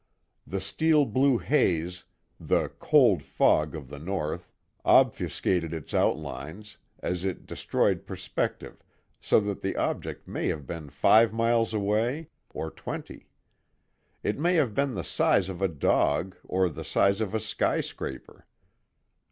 The steel blue haze the "cold fog" of the North, obfuscated its outlines, as it destroyed perspective so that the object may have been five miles away, or twenty. It may have been the size of a dog, or the size of a skyscraper.